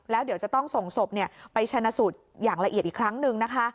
แล้วเดี๋ยวจะต้องส่งศพไปชนะสูตรอย่างละเอียดอีกครั้งหนึ่งนะคะ